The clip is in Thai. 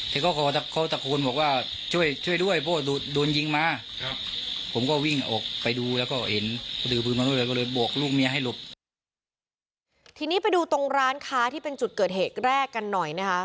ทีนี้ไปดูตรงร้านค้าที่เป็นจุดเกิดเหตุแรกกันหน่อยนะคะ